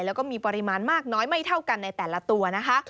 แล้วก็มีปริมาณมากน้อยไม่เท่ากันในแต่ละตัวนะคะ